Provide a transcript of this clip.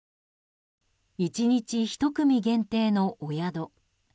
１日１組限定のお宿。